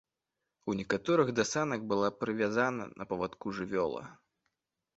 У некаторых да санак была прывязана на павадку жывёла.